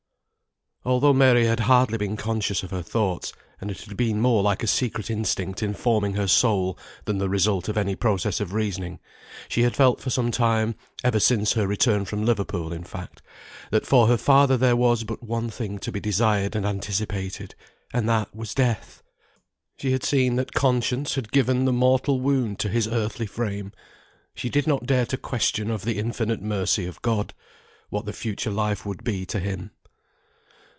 Although Mary had hardly been conscious of her thoughts, and it had been more like a secret instinct informing her soul, than the result of any process of reasoning, she had felt for some time (ever since her return from Liverpool, in fact), that for her father there was but one thing to be desired and anticipated, and that was death! She had seen that Conscience had given the mortal wound to his earthly frame; she did not dare to question of the infinite mercy of God, what the Future Life would be to him.